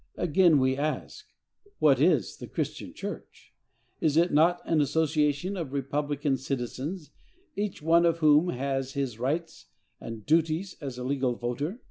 Again, we ask, what is the Christian church? Is it not an association of republican citizens, each one of whom has his rights and duties as a legal voter?